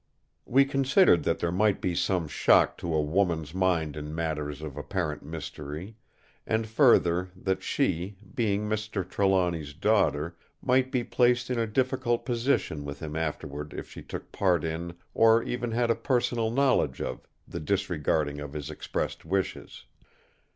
We considered that there might be some shock to a woman's mind in matters of apparent mystery; and further, that she, being Mr. Trelawny's daughter, might be placed in a difficult position with him afterward if she took part in, or even had a personal knowledge of, the disregarding of his expressed wishes.